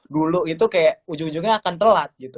dulu itu kayak ujung ujungnya akan telat gitu